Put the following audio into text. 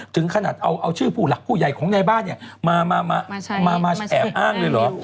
ถึงขนาดเอาชื่อผู้หลักผู้ใหญ่ของในบ้านมาแอบอ้างเลยเหรอ